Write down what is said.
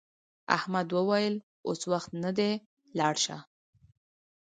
احمد وویل اوس وخت نه دی لاړ شه.